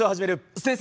先生！